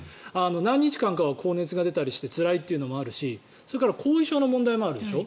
何日間かは高熱が出たりしてつらいというのもあるしそれから後遺症の問題もあるでしょ。